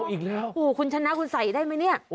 อีกแล้วคุณชนะคุณใส่ได้ไหมเนี่ย